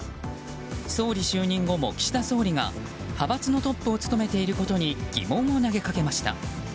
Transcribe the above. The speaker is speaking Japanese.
総理就任後も岸田総理が派閥のトップを務めていることに疑問を投げかけました。